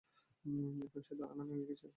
এখন সে ধারণা ভেঙে গেছে।